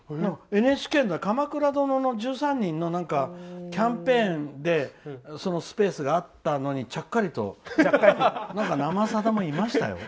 ＮＨＫの「鎌倉殿の１３人」のキャンペーンでスペースがあってちゃっかりと「生さだ」もいましたよ。